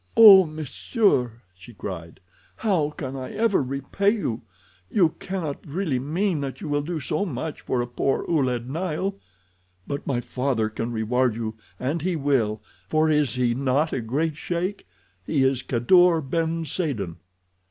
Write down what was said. "Oh, m'sieur," she cried, "how can I ever repay you! You cannot really mean that you will do so much for a poor Ouled Nail. But my father can reward you, and he will, for is he not a great sheik? He is Kadour ben Saden."